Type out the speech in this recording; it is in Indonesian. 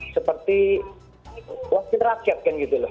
seperti wakil rakyat kan gitu loh